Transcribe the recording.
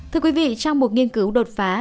thưa quý vị trong một nghiên cứu đột phá